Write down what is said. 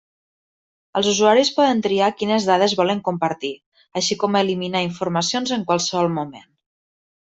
Els usuaris poden triar quines dades volen compartir, així com eliminar informacions en qualsevol moment.